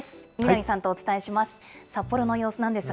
南さんとお伝えします。